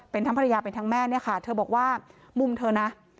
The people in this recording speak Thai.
เป็นทั้งภรรยาเป็นทั้งแม่เนี่ยค่ะเธอบอกว่ามุมเธอนะ